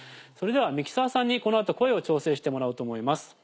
それではミキサーさんにこの後声を調整してもらおうと思います。